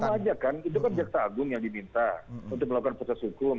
iya sama aja kan itu kan kejaksaan agung yang diminta untuk melakukan proses hukum